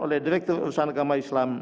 oleh direktur urusan agama islam